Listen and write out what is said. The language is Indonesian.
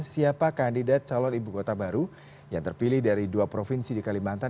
siapa kandidat calon ibu kota baru yang terpilih dari dua provinsi di kalimantan